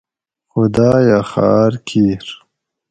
خداۤیہ خاۤر کِیر